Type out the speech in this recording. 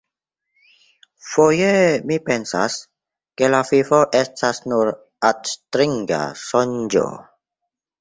Foje mi pensas, ke la vivo estas nur adstringa sonĝo.